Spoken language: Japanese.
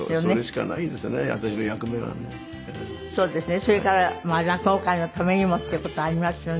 それから落語界のためにもっていう事はありますよね。